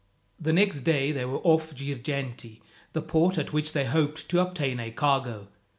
The next day they were off Girgenti, the port at which they hoped to obtain a cargo.